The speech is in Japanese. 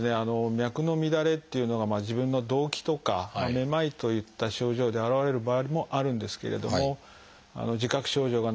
脈の乱れっていうのが自分の動悸とかめまいといった症状で現れる場合もあるんですけれども自覚症状がないことも少なくありません。